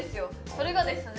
それがですね